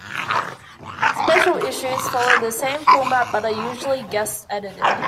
Special issues follow the same format but are usually guest-edited.